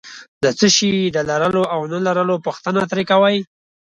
د څه شي د لرلو او نه لرلو پوښتنه ترې کوي.